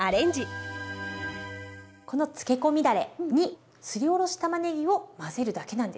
このつけ込みだれにすりおろしたまねぎを混ぜるだけなんです。